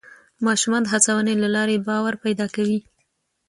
ماشومان د هڅونې له لارې باور پیدا کوي